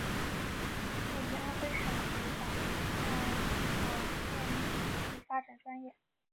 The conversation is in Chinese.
毕业于安徽省委党校党建与经济发展专业。